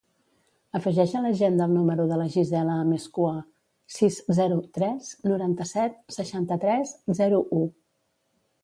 Afegeix a l'agenda el número de la Gisela Amezcua: sis, zero, tres, noranta-set, seixanta-tres, zero, u.